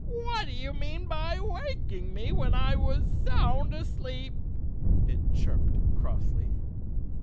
" What do you mean by waking me when I was sound asleep," it chirped crossly.